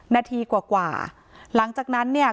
นาทีกว่าหลังจากนั้นเนี่ย